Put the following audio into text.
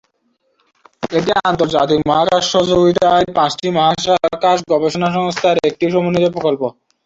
এটি আন্তর্জাতিক মহাকাশ সহযোগিতায় পাঁচটি মহাকাশ গবেষণা সংস্থার একটি সমন্বিত প্রকল্প।